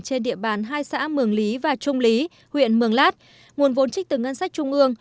trên địa bàn hai xã mường lý và trung lý huyện mường lát nguồn vốn trích từ ngân sách trung ương